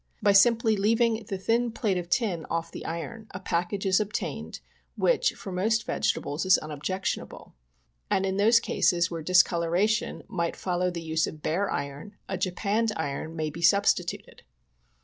By simply leaving the thin plate of tin off the iron, a package is obtained which, for most vegetables, is unobjectionable ; and in those cases where dis coloration might follow the use of bare iron, a japanned ii'on might be substituted.